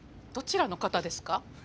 どちらの方ですか？